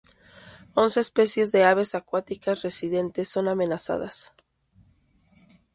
Once especies de aves acuáticas residentes son amenazadas.